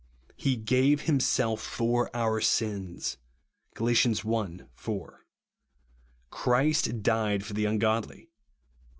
He gave himself for our sins," (Gal. i. 4). " Christ died for the angodly," (Kom.